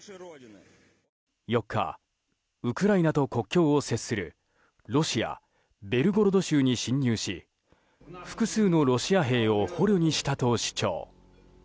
４日、ウクライナと国境を接するロシア・ベルゴロド州に侵入し複数のロシア兵を捕虜にしたと主張。